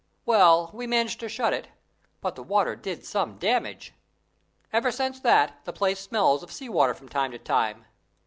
Well, we managed to shut it, but the water did some damage. Ever since that the place smells of sea water from time to time.